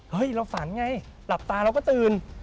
เราฝันไงหลับตาเราก็ตื่น